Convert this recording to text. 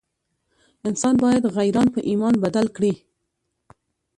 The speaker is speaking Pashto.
انسان باید غیران په ایمان بدل کړي.